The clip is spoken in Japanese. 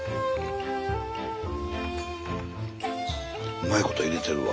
うまいこといれてるわ。